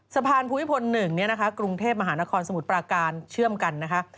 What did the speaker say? สะพานภูมิพล๑เนี่ยนะคะกรุงเทพมหานครสมุทรปราการเชื่อมกันนะคะ